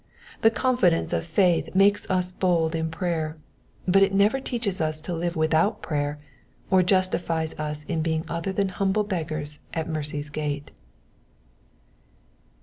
The confidence of faith makes us bold in prayer, but it never teaches us to live without prayer, or justifies us in being other than humble beggars at mercy's gate.